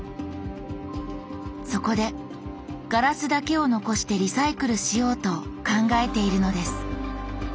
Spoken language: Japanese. そこでガラスだけを残してリサイクルしようと考えているのです。